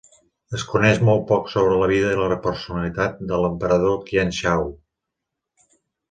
Es coneix molt poc sobre la vida i la personalitat de l"emperador Qianshao.